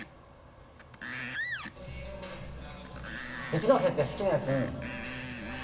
一ノ瀬って好きなヤツいんの？